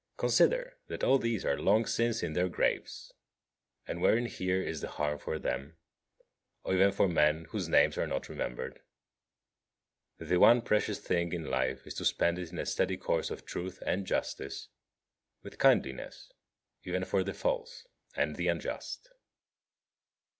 Consider that all these are long since in their graves. And wherein here is the harm for them; or even for men whose names are not remembered? The one precious thing in life is to spend it in a steady course of truth and justice, with kindliness even for the false and the unjust.